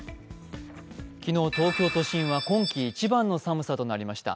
昨日、東京都心は、今季一番の寒さとなりました。